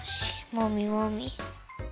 もみもみ。